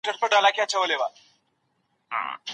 په امریکا کې مېرمنې شکولات خوښوي.